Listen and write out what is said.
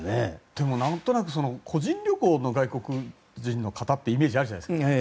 でも、何となく個人旅行の外国人の方というイメージがあるじゃないですか。